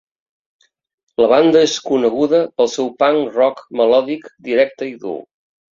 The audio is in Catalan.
La banda és coneguda pel seu punk-rock melòdic, directe i dur.